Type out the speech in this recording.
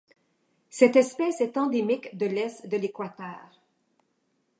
Cette espèce est endémique de l'Est de l'Équateur.